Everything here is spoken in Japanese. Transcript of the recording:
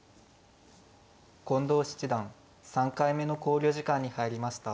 近藤七段３回目の考慮時間に入りました。